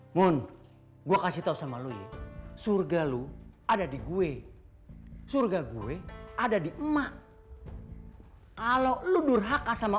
mun gua kasih tahu sama lu surga lu ada di gue surga gue ada di emak kalau lu durhaka sama